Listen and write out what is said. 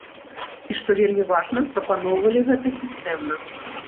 І што вельмі важна, прапаноўвалі гэта сістэмна.